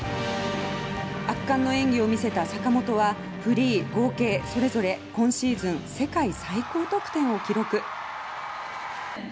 圧巻の演技を見せた坂本はフリー合計それぞれ今シーズン世界最高得点を記録。